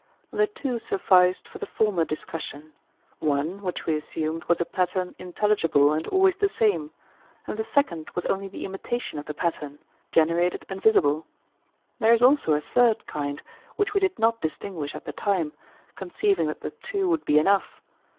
The two sufficed for the former discussion: one, which we assumed, was a pattern intelligible and always the same; and the second was only the imitation of the pattern, generated and visible. There is also a third kind which we did not distinguish at the time, conceiving that the two would be enough.